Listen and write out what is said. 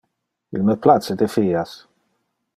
Il me place defias.